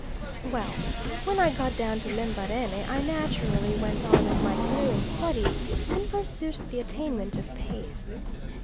Well, when I got down to Lembarene I naturally went on with my canoeing studies, in pursuit of the attainment of pace.